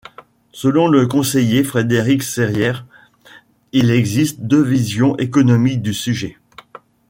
Selon le conseiller, Frédéric Serrière, il existe deux visions économiques du sujet.